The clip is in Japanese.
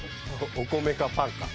お米かパンか。